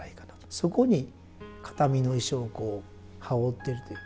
そこに形見の衣装をこう羽織ってるという。